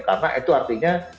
karena itu artinya